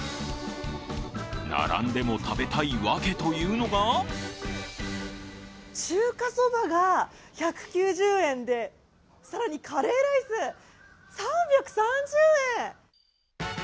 並んでも食べたいワケというのが中華そばが１９０円で更にカレーライス、３３０円。